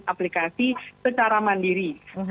aplikasi secara mandiri